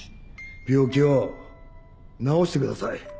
病気を治してください。